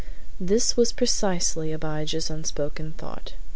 This was precisely Abijah's unspoken thought.